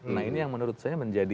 nah ini yang menurut saya menjadi